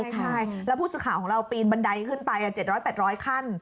ใช่แล้วผู้สื่อข่าวของเราปีนบันไดขึ้นไป๗๐๐๘๐๐ขั้น